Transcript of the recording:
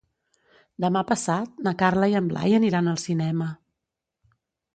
Demà passat na Carla i en Blai aniran al cinema.